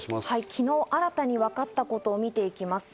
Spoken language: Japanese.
昨日新たに分かったことを見ていきます。